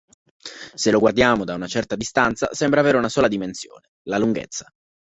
Se lo guardiamo da una certa distanza sembra avere una sola dimensione, la lunghezza.